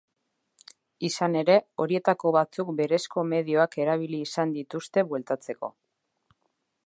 Izan ere, horietako batzuk berezko medioak erabili izan dituzte bueltatzeko.